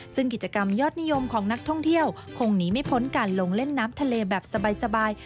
ซึ่งกิจกรรมยอดนิยมของนักท่องเที่ยวคงหนีไม่พ้นการลงเล่นน้ำทะเลแบบสบาย